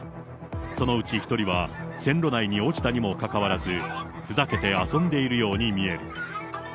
そのうち１人は線路内に落ちたにもかかわらず、ふざけて遊んでいるように見える。